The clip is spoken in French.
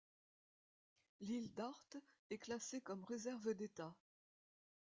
L'Île Dart est classée comme réserve d'état.